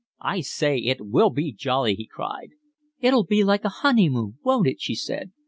"I say, it will be jolly," he cried. "It'll be like a honeymoon, won't it?" she said.